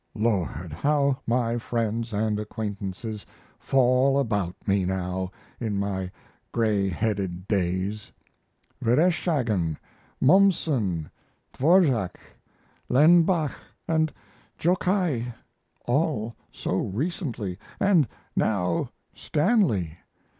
Lord! how my friends & acquaintances fall about me now in my gray headed days! Vereshchagin, Mommsen, Dvorak, Lenbach, & Jokai, all so recently, & now Stanley.